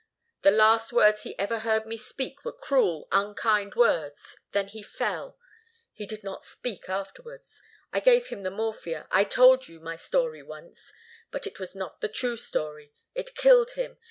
The last words he ever heard me speak were cruel, unkind words. Then he fell. He did not speak afterwards. I gave him the morphia. I told you my story once but it was not the true story. It killed him.